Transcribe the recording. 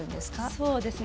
そうですね